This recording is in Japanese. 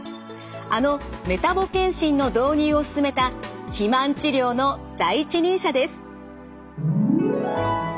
あのメタボ健診の導入を進めた肥満治療の第一人者です。